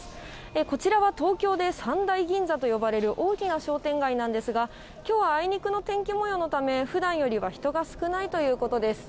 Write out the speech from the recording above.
こちらは東京で３大銀座と呼ばれる大きな商店街なんですが、きょうはあいにくの天気もようのため、ふだんよりは人が少ないということです。